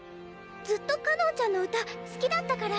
ずっとかのんちゃんの歌好きだったから。